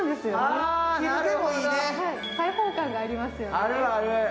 開放感がありますよね。